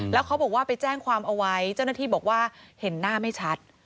แล้วเขาบอกว่าไปแจ้งความเอาไว้เจ้าหน้าที่บอกว่าเห็นหน้าไม่ชัด